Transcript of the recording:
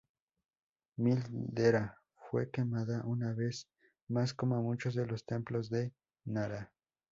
Mii-dera fue quemada una vez más, como muchos de los templos de Nara.